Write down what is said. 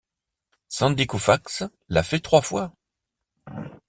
Sandy Koufax l'a fait trois fois.